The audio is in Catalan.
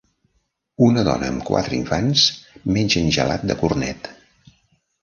Una dona amb quatre infants mengen gelat de cornet.